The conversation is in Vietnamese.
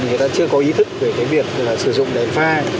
người ta chưa có ý thức về cái việc sử dụng đèn pha